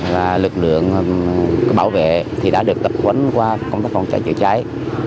và lực lượng bảo vệ thì đã được tập quấn qua công tác phòng cháy chữa cháy